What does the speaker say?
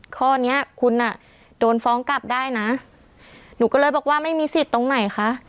ข้อนี้คุณอ่ะโดนฟ้องกลับได้นะหนูก็เลยบอกว่าไม่มีสิทธิ์ตรงไหนคะ